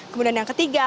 kemudian yang ketiga